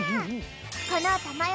このたまよ